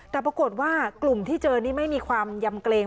แต่ปรากฏว่ากลุ่มที่เจอนี่ไม่มีความยำเกรง